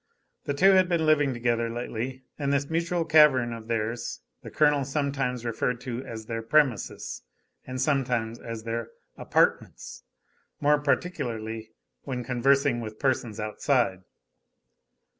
The two had been living together lately, and this mutual cavern of theirs the Colonel sometimes referred to as their "premises" and sometimes as their "apartments" more particularly when conversing with persons outside.